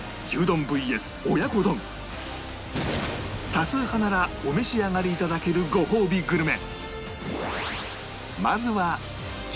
多数派ならお召し上がり頂けるごほうびグルメ